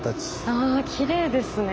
あきれいですね